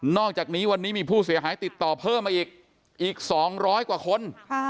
อกจากนี้วันนี้มีผู้เสียหายติดต่อเพิ่มมาอีกอีก๒๐๐กว่าคน